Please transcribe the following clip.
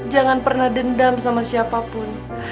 jangan pernah dendam sama siapapun